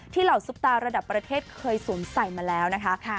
เหล่าซุปตาระดับประเทศเคยสวมใส่มาแล้วนะคะ